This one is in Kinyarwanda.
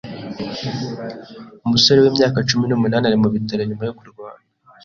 Umusore wimyaka cumi numunani ari mubitaro nyuma yo kurwana.